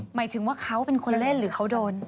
หมายถึงว่าเขาเป็นคนเล่นหรือเขาโดน